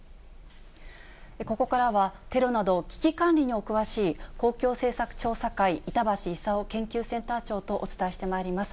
ここからは、テロなど、危機管理にお詳しい公共政策調査会、板橋功研究センター長とお伝えしてまいります。